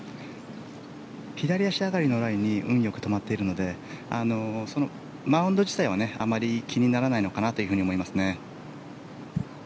左足上がりのライに運よく止まっているのでマウンド自体はあまり気にならないのかなと思いますね。